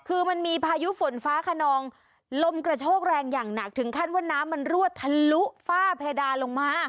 คือมันมีพายุฝนฟ้าขนองลมกระโชกแรงอย่างหนักถึงขั้นว่าน้ำมันรั่วทะลุฝ้าเพดานลงมา